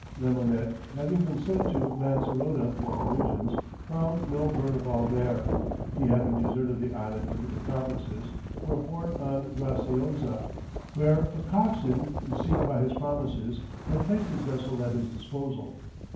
Remonnet having been sent to Lancerota for provisions, found no Berneval there, he having deserted the island with his accomplices for a port on Graziosa, where a coxswain, deceived by his promises, had placed his vessel at his disposal.